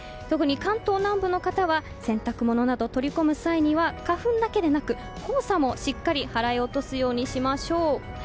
特に関東南部の方は洗濯物など取り込む際に花粉だけでなく、黄砂もしっかり払い落とすようにしましょう。